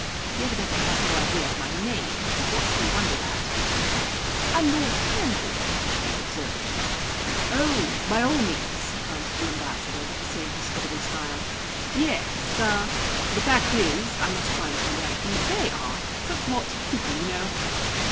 He evidently had no idea of my name, which was not to be wondered at. "I am Lord Cairngorm," I observed. "Oh by all means," answered the Ambassador, with the same hospitable smile. "Yes uh the fact is, I must try and find out who they are; such lots of people, you know."